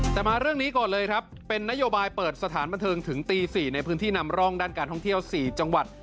แต่มาเรื่องนี้ก่อนเลยครับเป็นนโยบายเปิดสถานบันเทิงถึงตี๔ในพื้นที่นำร่องด้านการท่องเที่ยว๔จังหวัด